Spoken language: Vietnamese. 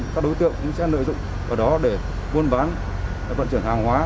các đối tượng cũng sẽ lợi dụng ở đó để vôn ván vận chuyển hàng hóa